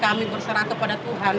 kami berserah kepada tuhan